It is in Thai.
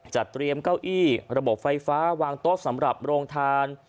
เตรียมเก้าอี้ระบบไฟฟ้าวางโต๊ะสำหรับโรงทาน